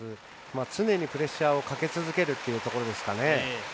常にプレッシャーをかけ続けるというところですかね。